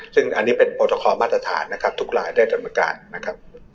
ซึ่งอันนี้เป็นมาตรฐานนะครับทุกรายได้ดำการนะครับ